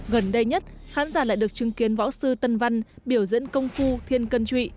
gần đây nhất khán giả lại được chứng kiến võ sư tân văn biểu diễn công phu thiên cân trụy